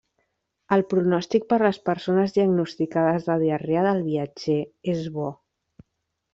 El pronòstic per les persones diagnosticades de diarrea del viatger és bo.